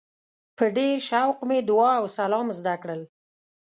په ډېر شوق مې دعا او سلام زده کړل.